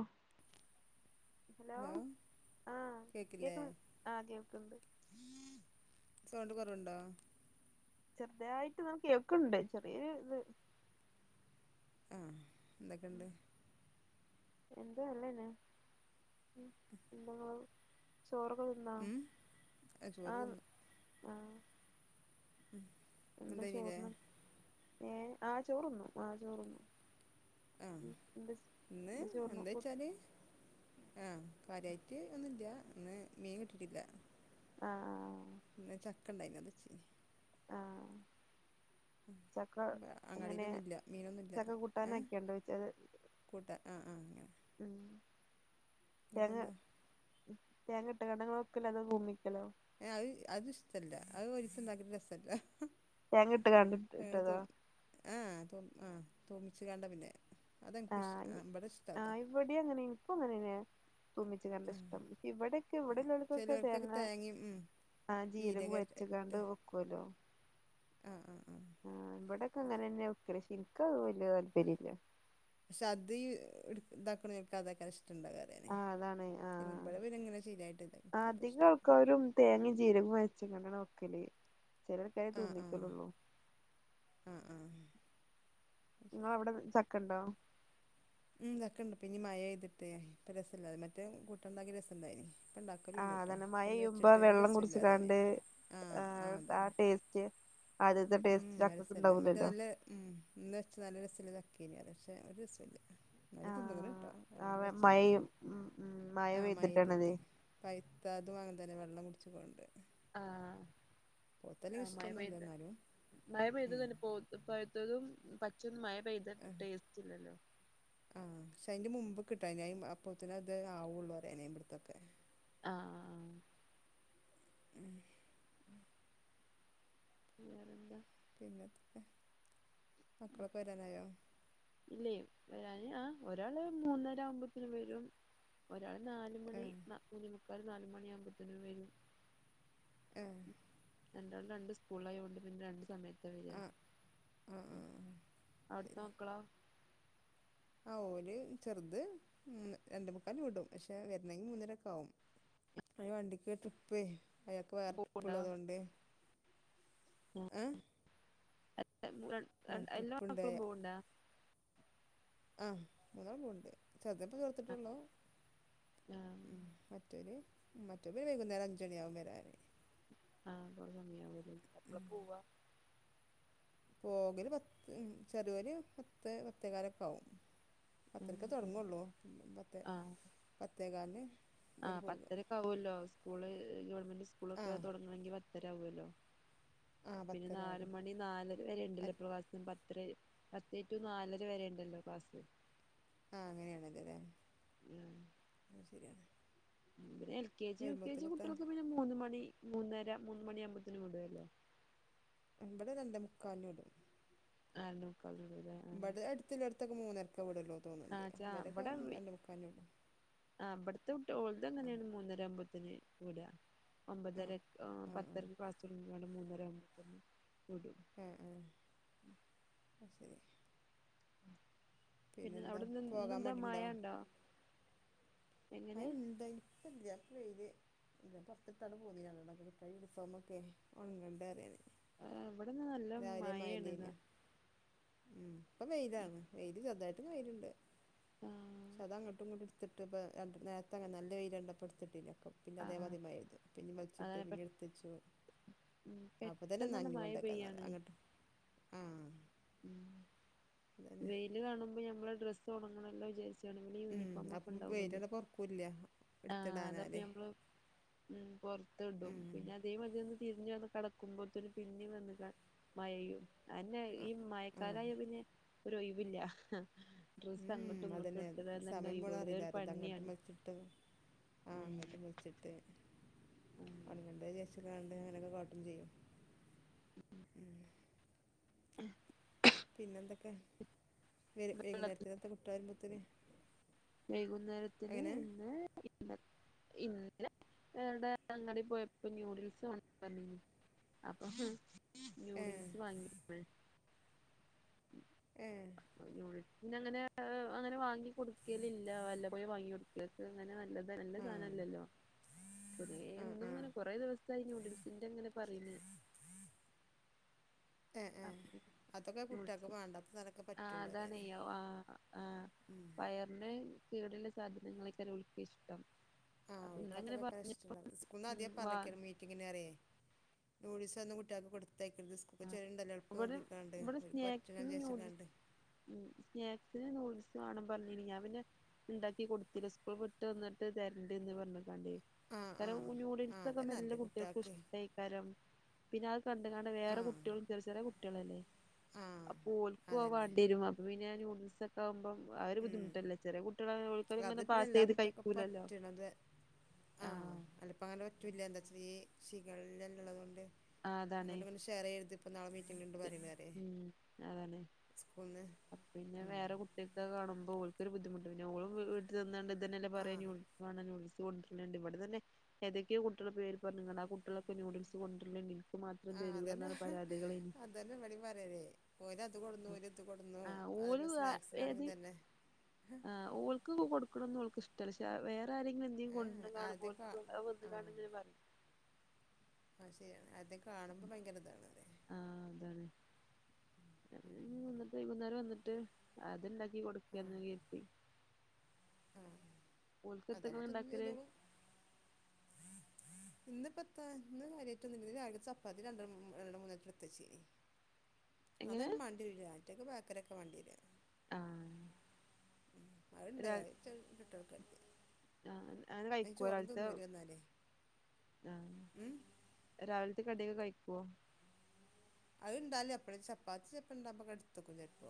O hello ആഹ് കേക്കില്ലേ കേക്കു ആകേക്കുന്നുണ്ട് റൈഞ്ജ് കുറവുണ്ടോ ചെറുതായിട്ട് നമുക്ക് കേക്ക്ണ്ട് ചെറിയൊരിത് ആഹ് എന്തൊക്കെണ്ട് എന്ത്‌ നല്ലേന്നെ ന്ങ്ങളോ ചോറൊക്കെ കൊടുക്കണ ഉം ആ ചോറ് ആഹ് തിന്നു ആഹ് എന്താ എന്തായില്ലേ ചോറിന് ഏഹ് ആ ചോറ്ഉണ്ണും ആഹ് ചോറ്ഉണ്ണും. ആഹ് ഇന്ന് ചോറിന് എന്താ കൂ വെച്ചാല് ആഹ് കാര്യമായിട്ട് ഒന്നുല്ല ഇന്ന് മീൻ കിട്ടിട്ടില്ല ആഹ് ഇന്ന് ചക്ക ഉണ്ടായിന് [unintelligible] ആഹ് ചക്ക അങ്ങാടി എങ്ങനെ ഇതൊന്നുംല്ല മീനൊന്നുല്ലാ ചക്ക കൂട്ടാനാക്കിയാണ്ടോ വെച്ചത് കൂട്ടാൻ ആഹ് ആഹ് അങ്ങനെ ഉം നിങ്ങൾക്ക് തേങ്ങ എന്താ തേങ്ങ ഇട്ട് കടങ്ങളൊക്കെല്ല തോ [unintelligible] അത് അത്ഷ്ടല്ല അത് ഒരീസം ഉണ്ടാക്കിട്ട് രസല്ല തേങ്ങയിട്ട് കണ്ടിട്ട് ഇട്ടതാ ആഹ് തോമിച്ചു കണ്ട പിന്നെ അതെനിക്ക് ഇഷ്ട ആ, ആഹ് ഇവിടെ ഇഷ്ടം അതാ ആഹ് ഇവിടെ അങ്ങനെ ഇപ്പ അങ്ങനെനയാ തൂമിച്ച് ആ, കണ്ട ഇഷ്ടം ഇവിടക്ക് ആ. ഇവിടലടുത്തൊക്കെ ചിലവർക്കൊക്കെ തേങ്ങ തേങ്ങയും ഉം, ആഹ് ജീരകം ജീരക വച് ഇട്ട് കാണ്ട് വെക്കൂവാലോ ആ ആ ആ ആഹ് ഇവിടെയൊക്കെ അങ്ങനെതന്നെ ആ വെക്കല് എനിക്കതുന്നു വല്യ താല്പര്യമില്ല പക്ഷേ അത് ഇതാക്കണം [unintelligible] ആഹ് അതാണ് ആഹ് പിന്നെ ഇങ്ങനെ ശരിയായിട്ട് ഇതാ എനിക്കത് അധികം ഇഷ്ടം ആൾക്കാരും തേങ്ങയും ജീരകം [unintelligible] ചിലരൊക്കെ ആ ആ തോന്നിക്കലള്ളൂ ആ ആ അത് നിങ്ങളവിടെ ചക്കണ്ടോ മ് ചക്കയിണ്ട് പിന്നെയി മഴപെയ്ത്ട്ട് രസം ഇല്ല അന്നൊക്കെ ഉണ്ടാക്കിട്ട് രസം ഉണ്ടായിന് ഇപ്പം ഉണ്ടാക്കലും ഇല്ല ആഹ് കേട്ടോ അതന്നെ മഴ ഇപ്പം ഒന്ന് പേയ്യുമ്പോ വെച്ചിട്ട് ഒരു വെള്ളം രസമില്ല അറിയാന് കുടിച്ചിക്കാണ്ട് ആ ആഹ് ടേസ്റ്റ് അത് ഉമ് രസല്ലേ മറ്റേ നല്ല മ് നല്ല രസല്ലേ ആഹ് ആഹ് [unintelligible] മഴെയ്യും ഉം ഉം മഴ ആഹ് പെയ്തിട്ടാണതേ മയെതിട്ട് പഴുത്തതു അങ്ങനെ തന്നെ വെള്ളം കുടിച്ചു പോണ്ട് ആഹ് ആ മഴ ഇഷ്ടമൊന്നുമില്ല പെയ്തു എന്നാലും മഴ പെയ്തതു ഉം. തന്നെ പോ [unintelligible] പൈത്തതും പച്ചയും ഒന്നും മഴ പെയ്ത ആ ടേസ്റ്റ് ഇല്ലല്ലോ. കിട്ടാ അപ്പത്തിനെ അത് ആവുള്ളൂ പറയൽ ഇടത്തൊക്കെ ആഹ് ആഹ് [inaudible] പിന്നെ മക്കളൊക്കെ വരാറായോ? ഇല്ല വരാന് ആ ഒരാള് മൂന്നര ആവുമ്പോത്തേന് വരും ഒരാൾ നാല് ആ മണി മൂന്നേമുക്കാൽ നാല് മണി ആകുമ്പോത്തേനും വരും ആ രണ്ടാളും രണ്ട് സ്കൂളിൽ ആയോണ്ട് പിന്നെ രണ്ട് സമയത്ത ആ ആ ആ, [unintelligible] അവിടുത്തെ മക്കളോ? ആഹ് ഓര് ചെറുത് മൂന്ന് രണ്ടെമുക്കാല് വിടും പക്ഷെ വരുന്നെങ്കിൽ മൂന്നരോക്കെ ആവും അത് വണ്ടിക്ക് ട്രിപ്പെ ആയാക് വേറെ പോവ്ണ്ടോ ട്രിപ്പുള്ളതോണ്ട് ഏഹ് [unintelligible] എല്ലാ മക്കളും പോകുണ്ട ആ മൂന്നാൾ പോവണ്ട് ചെറുതിപ്പോ ചേർത്തിട്ടുള്ളോ ആഹ് മറ്റൊര് മറ്റേ വര് വൈകുന്നേരം അഞ്ചു മണി ആകും വരാൻ ആഹ് [unintelligible] എപ്പള പോവാ പോകല് പത്ത് ചെറിയവർ പത്തേ പത്തേ കാലൊക്കെ ആവും പത്തരക്കെ തൊടാങ്ങുവൊള്ളൂ പത്തേ ആഹ് പത്തേകാലിന് ഓര് ആഹ് പോകും പത്തരക്കാവുമല്ലോ സ്കൂള് ഗവൺമെന്റ് ആ സ്കൂളൊക്കെ തുടങ്ങണെങ്കിൽ പത്തര ആ പിന്നെ പത്തര നാല് ആകും മണി നാല് മറ്റ് [unintelligible] വരും പത്തേ ടു നാലര വരെ ഉണ്ടല്ലോ ക്ലാസ്. ആഹ് അങ്ങനെയാണ് അങ്ങനെയാണ് ആഹ് ശരിയാണ് പിന്നെ L K G U K G വരുമ്പോഴത്തേനെത്താ കുട്ടികൾക്ക് പിന്നെ മൂന്ന് മണി മൂന്നര മൂന്ന മണിയാകുമ്പത്തേന് വിടല്ലോ? ഇവിടെ രണ്ടേമുക്കാലിന് വിടും. അണോ? ഇവിടെ അടുത്തി അടുത്തൊക്കെ മൂന്നരക്കേ വിടുവെളളു. ആ ഇവിടെ ആ ഇവിടത്തെ വിട്ട ആ ഓൾതന്നെയാണ് മൂന്നര ആവുമ്പ ന് കൂട ആ ഒമ്പതര ആ ആ പത്തരക്ക് ക്ലാസ്തുടങ്ങു മൂന്നരയാക്കുമ്പോ വിടും. ആ ആ ശരി പിന്നെ പിന്നെന്താ അവിടെന്ന് ഇന്ന പോകാൻ എന്താ മാഴ മടിയുണ്ടോ ഉണ്ടോ? എങ്ങനെ മഴ ഉണ്ടായിനിഇപ്പം ഇല്ല. വെയിലെനി പുറത്ത് ഇട്ടികണ്ട് പൊന്നിനികുട്ടികളെ യൂണിഫോം ഒക്കെ ഉണങ്ങേണ്ട ഇവിടെന്ന് നല്ല രാവിലെ മഴ മഴയാണ്ന്ന് ഇല്യനിയോ ഇപ്പൊ വെയിലാണ് വെയിലാണ്. ചെറുതായിട്ട് വെയിലുണ്ട്. ആ പക്ഷ അത അങ്ങോട്ടും ഇങ്ങോട്ടു എടുത്തിട്ടപ്പ നേരത്തെ അങ്ങന നല്ല വെയില്കണ്ടപ്പോ എടുത്തിട്ടില്ല. പിന്നെ ആഹ് അതേമാതിരി മഴആയിരുന്നു പിന്നെ വലിച്ചിട്ട് അതാണ് പെ പിന്നെ എടുത്തിച്ചു അപ്പൊ തന്നെ പെട്ടെന്നാണ് നനഞ്ഞ് മഴ കൊണ്ടു പെയ്യാണ് വെക്കാന്നേരംഅങ്ങോട്ട് ആ വെയില് കാണുമ്പോ ഞമ്മടെഡ്രസ്സ് ഉണങ്ങണല്ലോന്ന് വിചാരിച്ചു ഉം ഡെയിലിയൂണിഫോം ഒക്കെ അപ്പം ഉണ്ടാവു വല്ലോ? വെയിലണ്ട് പൊറക്കൂല്ല ആ അതപ്പ എടുത്തിടാനാല് ഞമ്മള് പൊറത്തുകൊണ്ടുപോവും ഉം പിന്നെ അതേ മതിരി ഒന്ന് തിരിഞ്ഞു വന്ന് കടക്കുമ്പോഴത്തേന് പിന്നെ വന്ന് മഴയും അതന്നെ ഈ ആഹ് ഉം മഴക്കാലായപിന്നെ ഒരു ഒഴിവില്ല. ഡ്രസ്സ് അങ്ങട്ടും ഉം. ഇങ്ങട്ടും അതന്നെ ഇട്ടിടാൻ തന്നെ സമയം പോണ ഒഴിവൊള്ളൂ അറിയില്ല ഇതൊരു അത് അങ്ങോട്ട് പണിയാണ് വച്ചിട്ട് ആ അങ്ങോട്ട് വലിച്ചിട്ടു ഉം ഉണങ്ങേണ്ട വിചാരിച്ചു [unintelligible] കാട്ടും ചെയ്യും ഉം. [inaudible] [inaudible] പിന്നെ എന്തൊക്കെ? വര് വെള്ളത്തി വൈകുന്നേരത്തിന്കുട്ടികള് വരുമ്പോത്തിന്? വൈകുന്നേരത്തിന് എങ്ങനെ ഇന്ന് ഇന്ന് ഇന്നെലെ [unintelligible] അങ്ങാടി പോയപ്പോ ന്യൂഡിൽസ് [unintelligible] പറഞ്ഞിനു അപ്പൊ ഏ ന്യൂഡിൽസ് വാങ്ങിയേക്കണ്. ഏ പിന്നെ അങ്ങനെ അങ്ങനെ വാങ്ങി കൊടുക്കലില്ല വല്ലപോഴുംവാങ്ങി കൊടുക്ക. അങ്ങനാ നല്ലത്. നല്ല ആ സാധനല്ലല്ലോ കുറേ ആ എന്നും ആ ഇങ്ങനെ കൊറേ ദിവസത്തായി ന്യൂഡിൽസ് [inaudible] ഏ ഏ അതൊക്കെ കുട്ടികൾക്ക് [unintelligible] വേണ്ടാത്ത തനൊക്കെ ആ പറ്റുള്ളൂ അതാണ് പറയാനേ [unintelligible] ആ ആ ഉം. വയറിന്റെ, കേടുള്ള സാധനങ്ങളക്കെയാണ് ഓൾക്ക് ഇഷ്ടം ആ അപ്പൊ ഇങ്ങള് ഇങ്ങനെ അവൾക്കതൊക്കെ കാ പറഞ്ഞ് ഇഷ്ടോള്ളത്. സ്കൂളീന്നു ഉം ആദ്യേ വാ പറഞ്ഞേക്കന് മീറ്റിംഗിന് കേറിയേ. നൂഡിൽസൊന്നും കുട്ടികൾക്ക് കൊടുത്ത് ഇവിടെ ഇവിടെ സ്നാക്സിന് ന്യൂഡിൽ [inaudible] ഉം സ്നാക്, നൂഡൽസ് വേണം പറഞ്ഞിന് ഞാൻ പിന്നെ ഉണ്ടാക്കി കൊടുത്തില്ല സ്കൂൾ വിട്ട് വന്നിട്ട് തരേണ്ടി എന്ന് പറഞ്ഞക്കാണ്ടേ. ആ ആ കാരം ആ നൂഡിൽസൊക്കെ അതന്നെ മെല്ലാ നല്ലത് കുട്ടികൾക്കും കുട്ടികൾക്ക് ഇഷ്ടായി കാരം പിന്നെ അത് കണ്ടു കൊണ്ട് വേറെ ആ കു... കുട്ടികൾ, ചെറി ചെറിയ കുട്ടികളല്ലേ? ആ അപ്പൊ അതന്നെ ഓൽക്കുവേണ്ടി വരും അതു പിന്നെ ന്യൂഡി... മിസ്സക്കെ ആകുമ്പം ആ ഒരു ഉം. ബുദ്ധിമുട്ടല്ലേ? ചെറിയ കുട്ടി [unintelligible] അത് പിന്നെ എല്ലാ കുട്ടികൾക്കും പറ്റണത് ആ ആഹ് അല്ലിപ്പങ്ങനെ പറ്റുല്ലല്ലേ [unintelligible] ഈ ഷിഗല്ല എല്ലാം ഉള്ളതു കൊണ്ട് ആഹ് അതാണ് അങ്ങോട്ടും ഇങ്ങോട്ടും ഷെയറ് ചെയ്തിപ്പോ [unintelligible] ഉം അതാണ്. സ്കൂളിൽ നിന്ന് പിന്നെ വേറെ കുട്ടിയക്കെ കാണുമ്പോൾ ബുദ്ധിമൂട്ട്. പിന്ന ഓളും വീട്ടി തിന്നാണ്ട് ഇതന്നെയല്ല ആ പറയല് [inaudible] ന്യൂഡിൽസ് കൊണ്ടിരനുണ്ട് ഇവിടെ തന്നെ ഏതൊക്കെ കുട്ടികള പേര് പറ ആ കുട്ടികളൊക്കെ നയൂഡിൽസ് കൊണ്ടിർലന്... മാത്രം തരൂ എന്നാണ് പരാതികൾ എനി അതന്നിവിടേം പറയല് ഓരത് കൊണ്ടന്നു ഓര് ഇത് കൊണ്ടന്നു, ആ അതിപ്പോ സ്നാക്സിനാണെങ്കിതന്നെ ആഹ് ഓൾക്ക് കൊടുക്കണംന്ന.. [unintelligible] ഇഷ്ടല ക്ഷെ വേറെ ആരെങ്കിലു എന്തെങ്കും ഏ കൊണ്ടര ആദ്യം കാണുമ്പോ കാ ആ [unintelligible] അത് ശരിയാണ് അത കാണുമ്പോ ഭയങ്കര ഇതാണ് അതെ. [inaudible] വിട്ട് വൈകുന്നേരം വന്നിട്ട് അത്ണ്ടാക്കി ആ കൊടുക്കന്ന് [unintelligible] ആ അതാകുമ്പോൾ ഓൾക്കത്തങ്ങന തിന്നും ഉണ്ടാക്കല് ചെയ്തോളും [inaudible] ഇന്ന് പ്പ ത്ത [unintelligible] ഇന്ന് കാര്യമായിട്ടൊന്നുമില്ല രാവിലത്തെ ചപ്പാത്തി രണ്ട രണ്ടണ്ണം മൂന്നണ്ണം എടുത്തു വെച്ചീനി എങ്ങനെ അവൻ മാണ്ടി [unintelligible] ആറ്റൊക്കെ ബേക്കറിയൊക്കെ വാണ്ടിവര്ക ആഹ് ഉം അതുണ്ട്‌ [inaudible] ആഹ് ങ്ങനെ കഴിക്കൂല.. ചോറും തിന്നൂല [unintelligible] എന്നാലേ ആഹ് ഉം രാവിലത്തെ കടിയൊക്കെ കയിക്കുവോ? അത്ണ്ടാലി അപ്പഴേ ചപ്പാത്തി [unintelligible] എടുത്തക്കും ചിലപ്പോ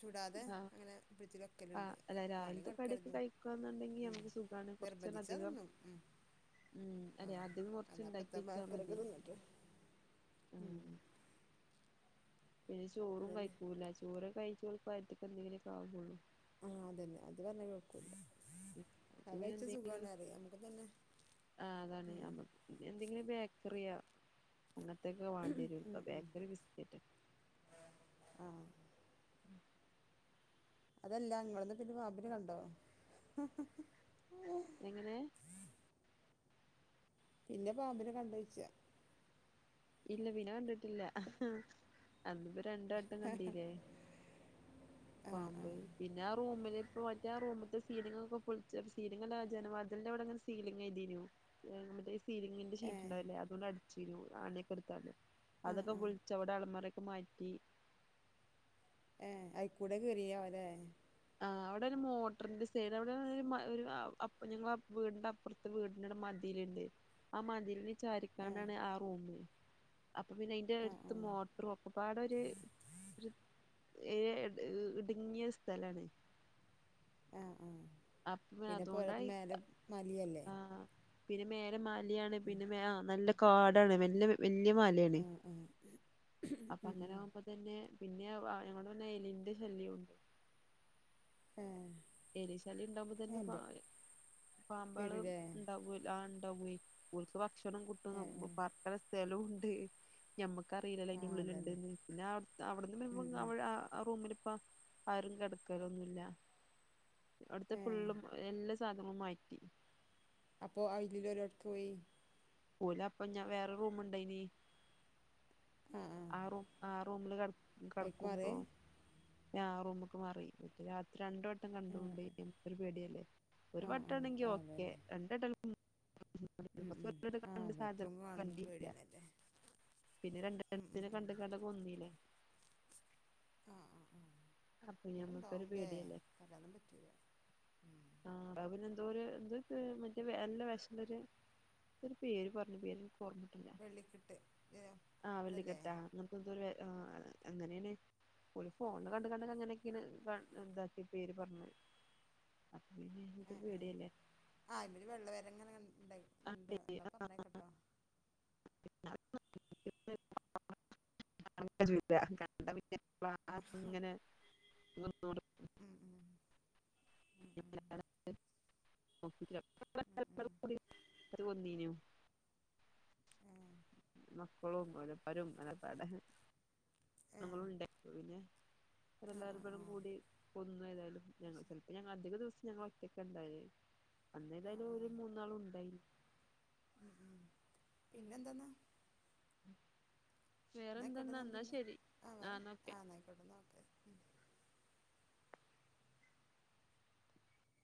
ചുടാതെ ആഹ് അങ്ങനെ പിടിച്ചു ലക്കലുണ്ട് ആഹ് അല്ല പണി രാവിലത്തെ കടിയൊക്കെ കൊടുക്കരുതും കഴിക്കുകന്നുണ്ടെങ്കി ഉം. നമുക്ക് സുഖാണ് [unintelligible] കുറച്ചൂടെ അധികം വധിച്ചതൊന്നും ഉം. ഉം അല്ലെ ആഹ് അധികം കുറച്ച് ഉണ്ടാക്കി അല്ലപ്പത്തെ വെച്ചാ ബെക്കറിക്കെ മതി തിന്നിട്ട് ഉം ആഹ് പിന്നെ ചോറും അതന്നെ കഴിക്കൂല്ല ചോറും കഴിച്ച [unintelligible] എന്തേങ്കിലെക്ക ആവുള്ളൂ. ആഹ് അതന്നെ അത് പറഞ്ഞാ കേക്കൂല്ല. അത് പിനെ എന്തെങ്കിലും.. നമുക്ക് തന്നെ ആഹ് അതാണ് ഉം നമ്മക്ക് പിന്നെ എന്തെങ്കിലും ബേക്കറിയോ അങ്ങനത്തൊക്കെ വാണ്ടിവരും. ഇപ്പ ഉം ഉം ബേക്കറി ബിസ്ക്കറ്റ് ആഹ് അതല്ല ഇങ്ങളന്നു പിന്ന പാമ്പിനെ കണ്ടോ? എങ്ങനെ? പിന്നെ പാമ്പിനെ കണ്ടഴിച്ചാ. ഇല്ല പിന്ന കണ്ടിട്ടില്ല. അന്ന്പ്പ രണ്ട് വട്ടം കണ്ടീല്ലേ? ആഹ് പാമ്പ് ആഹ് പിന്നെ ഒറ് റൂമില് പോയിറ്റാ റൂമത്തെ സീലിങ്ങോക്കെ പൊളിച്ച [unintelligible] സീലിങ്ങല്ല. ആ ജന വാതിലിന്റെ അവിടെ സീലിങ്ങെയ്തെനു മറ്റേ ഈ സീലിങ്ങിന്റെ ഷീറ്റ് ഏഹ് ഇണ്ടാവില്ലേ അതുകൊണ്ട് അടിച്ചേനു. ആണിയൊക്കെ എടുത്താണ്ട്. ആഹ് അതൊക്കെ ആഹ് പൊളിച്ചവടെ അലമാരൊക്കെ മാറ്റി ഏ അയിക്കൂടെ കേറിയാവോല്ലേ ആ അവടെ ഒരു മോട്ടർന്റെ സൈഡ് അവിടെ ഒര് ഒര് ആ അപ്രത്തെ ഞങ്ങട വീടിന്റെ അപ്പുറത്തേ വീടിന്റെ ഒര് മ മതിലുണ്ട് ആ മതിൽനേ ഏഹ് ചാരിക്കാണ്ടാണ് ആ റൂമ് അപ്പ പിന്നെ അയിന്റെ ആഹ് അടുത്ത് ആഹ് മോട്ടറും ഒക്കെപ്പാടൊര് ഏ ഹ് ത് ഇടുങ്ങിയ സ്ഥലാണ്. ആ അപ്പൊ പിന്നെ പോരാത്തേന് അതുകൊണ്ടായി മേലെ മലിം അല്ലേ. ആഹ് പിന്നെ മേല മലിയാണ് പിന്നെ ആ നല്ല കാടാണ് വല്ല വല്യ ല്യ മലേണ് ആഹ് ആഹ് അപ്പ ഉം അങ്ങനെ ഉം ആവുമ്പത്തന്നെ പിന്നെ വാ ഞങ്ങടാ [unintelligible] എലിന്റെ ശല്യോണ്ട്. ആ എലിശല്യണ്ടാവുമ്പോത്തന്നെ പ പാമ്പോളും വരൂലേ ഉണ്ടാവൂല്ലോ. ആൺ ആ ഉവ്വേ. ഓര്ക്ക് ഭക്ഷണം കിട്ടും ഏഹ് ഏഹ് പാർക്കാൻള്ള സ്ഥലുംണ്ട് ഞമ്മടെ ഇക്കറിയില്ലല്ല അയ്ൻ്റെ ആഹ് അതന്നെ ഉള്ളിലുണ്ട്ന്ന്. പിന്നാ അവിടുന്ന് ഉം [unintelligible] ഉം അവുടെ ആ റൂമില് ഇപ്പോ ആരും കിടക്കലൊന്നുംല്ല. അവിടുത്തെ ഏഹ് ഫുള്ളും എല്ലാ സാധനങ്ങളും മാറ്റി. അപ്പോ അയിലിള്ള ഓരേടക്കോയി. ഓലപ്പ ഞാൻ വേറെ റൂമ്ണ്ടായിനി. ആഹ് ആഹ് ആറൂ ആ റൂമില് കട അയിക്ക് മാറേ കടക്കുംപ്പോ ഞാ ആ റൂമ്ക്ക് മാറി. ഇയ്ക്ക് രാത്രി രണ്ട്‌ വ ഏഹ് കണ്ടൊണ്ടെയ് ഒരു പേടിയല്ലേ ഒരു ആഹ് വട്ടാണെങ്കി ആഹ് ഓക്കെ അതന്നെ രണ്ടട്ട ഉം ഉം [unintelligible] ആഹ് എപ്പളും കാണുമ്പോ പേടിയന്നല്ലേ പിന്നെ രണ്ട്‌ ഉം ഉം നെ ഉം കണ്ട്‌ക്കാണ്ട കൊന്നീലെ ആ ആ ആ ഞമ്മക്കൊരു ഇഞ്ഞുംണ്ടാവുംല്ലേ പേടിയല്ലേ പറയാനും പറ്റൂല. ഉം ആ അല്ലാ പിന്നെ എന്താ പറയാ. ത് പ്പോ മറ്റ് നല്ല വെഷ്ള്ളോര് ന്തോ ഒര് പേര് പറഞ്ഞ് പേര് പറഞ്ഞ് പേര് ഓർമട്ടില്ല. വെള്ളിക്കിട്ട് ആ അതല്ലേ വെള്ളിക്കെട്ട അങ്ങാത്തെ എന്തൊരു ആ അങ്ങനേണ് ഓല് ഫോണില് കണ്ട്‌ കണ്ട്‌ അങ്ങനൊക്കേണ് ക താക്കി പേര് പർഞ്ഞത്. ങ്‌ ങ്‌ ആ ഇതില് വെള്ളവരങ്ങനെ ക ണ്ടയ് ഇണ്ട് ഇന്നാ പറഞ്ഞേക്ക് ട്ടോ [unintelligible] കണ്ട പിന്നേ ആ അങ്ങനെ ഇങ്ങ [unintelligible] ഉം ഉം [unintelligible] വന്നീനു ഏഹ് മക്കളും ഓരപ്പരും ആനപ്പാടെ. ഏഹ് നമ്മളും ഉണ്ടാ [unintelligible] അതിന് ആഹ് ആഹ് ഓരെല്ലാരുംകൂടെ ആഹ് കൂടി കൊന്നു ഏതായാലും. ഞങ്ങള്പ്പോ ഇപ്പ ഞങ്ങള് അധിക ദിവസ ഞങ്ങളൊറ്റക്കണ്ടാവേ ആഹ് അന്നേതായാലും ഓര് ആഹ് മൂന്നാളും ഉണ്ടായീന്നു. ഉം ഉം പിന്നെന്താന്നാ? ന്നയ്ക്കോട്ടെ. വേറെന്തെന്നാ ഞാൻ എന്നാ പിന്നെ. ശരി ആണ് എന്നാ ഓക്കെ ആ ന്നായ്ക്കോട്ടെ. ന്നാ ഒക്കെ